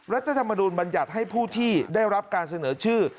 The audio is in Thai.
รัฐธรรมนูลบัญญัติให้ผู้ที่ได้รับการเสนอชื่อ